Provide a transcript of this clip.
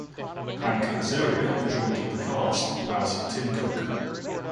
Hank Azaria joined the cast as Tim Cook.